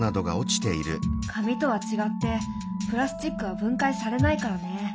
紙とは違ってプラスチックは分解されないからね。